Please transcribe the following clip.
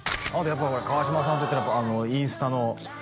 やっぱり川島さんといったらインスタの